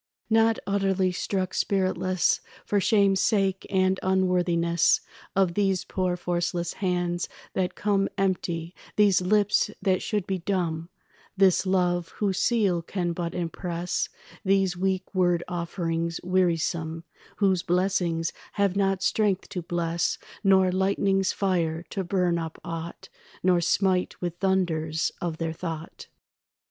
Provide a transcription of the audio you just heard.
Not utterly struck spiritless For shame's sake and unworthiness Of these poor forceless hands that come Empty, these lips that should be dumb, This love whose seal can but impress These weak word offerings wearisome Whose blessings have not strength to bless Nor lightnings fire to burn up aught Nor smite with thunders of their thought.